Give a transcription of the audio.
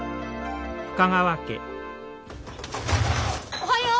おはよう！